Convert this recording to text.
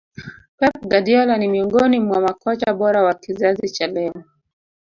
pep guardiola ni miongoni mwa makocha bora wa kizazi cha leo